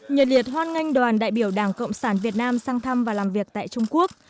nhật liệt hoan nghênh đoàn đại biểu đảng cộng sản việt nam sang thăm và làm việc tại trung quốc